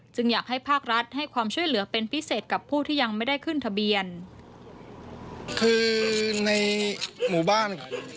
อยากให้ภาครัฐให้ความช่วยเหลือเป็นพิเศษกับผู้ที่ยังไม่ได้ขึ้นทะเบียนคือในหมู่บ้าน